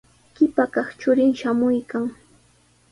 Qipa kaq churin shamuykan.